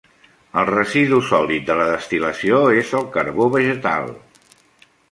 El residu sòlid de la destil·lació és el carbó vegetal.